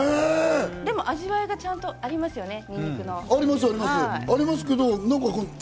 でも味わいがちゃんとありますよね。